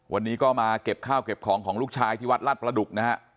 วันนี้ก็มาเก็บข้าวเก็บของของลูกชายที่วัดราชประดุกนะฮะ